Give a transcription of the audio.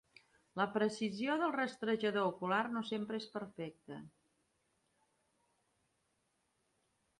La precisió del rastrejador ocular no sempre és perfecta.